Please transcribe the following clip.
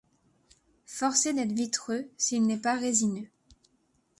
Forcé d’être vitreux s’il n’est pas résineux ;